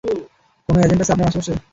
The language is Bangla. কোন অ্যাজেন্ট আছে আশেপাশে?